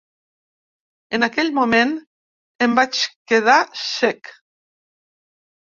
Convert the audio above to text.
En aquell moment em vaig quedar cec.